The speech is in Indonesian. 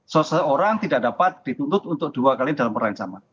seseorang tidak dapat dituntut untuk dua kali dalam perancaman